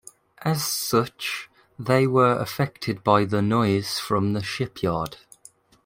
As such, they were affected by the noise from the shipyard.